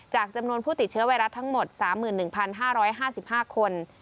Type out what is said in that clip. จำนวนผู้ติดเชื้อไวรัสทั้งหมด๓๑๕๕คน